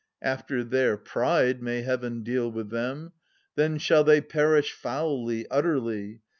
After their pride may heaven deal with them ! 550 Then shall they perish foully, utterly.